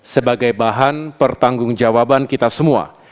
sebagai bahan pertanggung jawaban kita semua